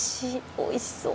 おいしそう。